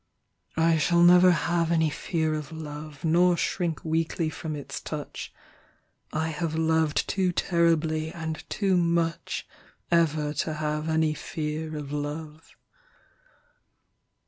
I shall never have any fear of love, Nor shrink weakly from its touch;I have loved too terribly and too muchEver to have any fear of love.